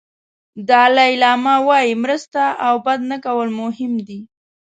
دالای لاما وایي مرسته او بد نه کول مهم دي.